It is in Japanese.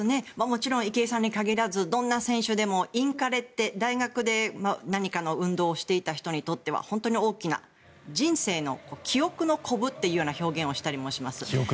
もちろん池江さんに限らずどんな選手でもインカレって大学で何かの運動をしていた人たちにとっては本当に大きな人生の記憶のこぶというような表現をしたりもします。